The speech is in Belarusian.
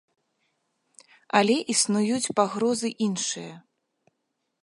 Але існуюць пагрозы іншыя.